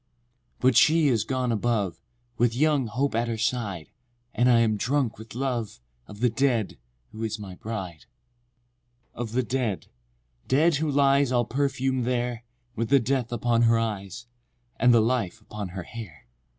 VI. But she is gone above, With young Hope at her side, And I am drunk with love Of the dead, who is my bride.— VII. Of the dead—dead who lies All perfum'd there, With the death upon her eyes, And the life upon her hair.